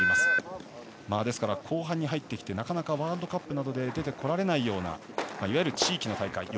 後半に入ってきてなかなかワールドカップなどで出てこられないようないわゆる地域の大会。